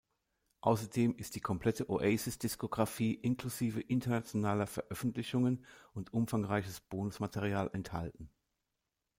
Außerdem ist die komplette Oasis Diskografie inklusive internationaler Veröffentlichungen und umfangreiches Bonusmaterial enthalten.